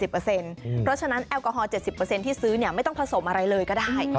เพราะฉะนั้นแอลกอฮอล๗๐ที่ซื้อไม่ต้องผสมอะไรเลยก็ได้